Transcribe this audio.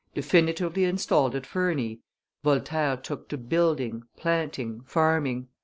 Definitively installed at Ferney, Voltaire took to building, planting, farming.